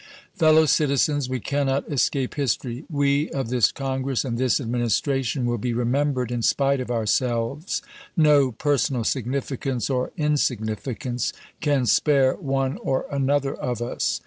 Fellow citizens, we cannot escape history. We, of this Congress, and this Administration, will be remembered in spite of ourselves. No personal significance, or in significance, can spare one or another of us.